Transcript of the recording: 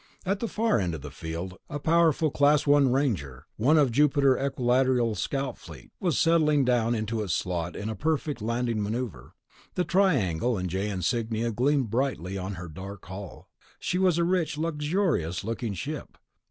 At the far end of the field a powerful Class I Ranger, one of the Jupiter Equilateral scout fleet, was settling down into its slot in a perfect landing maneuver. The triangle and J insignia gleamed brightly on her dark hull. She was a rich, luxurious looking ship.